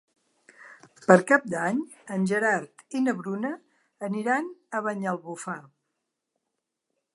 Per Cap d'Any en Gerard i na Bruna aniran a Banyalbufar.